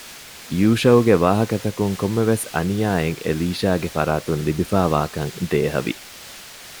ޔޫޝައުގެ ވާހަކަތަކުން ކޮންމެވެސް އަނިޔާއެއް އެލީޝާގެފަރާތުން ލިބިފައިވާކަށް ދޭހަވި